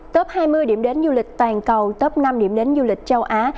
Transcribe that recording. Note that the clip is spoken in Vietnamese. top hai mươi điểm đến du lịch toàn cầu top năm điểm đến du lịch châu á